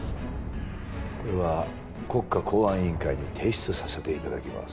これは国家公安委員会に提出させて頂きます。